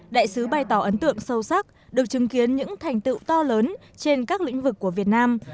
đại sứ bày tỏ ấn tượng sâu sắc được chứng kiến những thành tựu to lớn trên các lĩnh vực của việt nam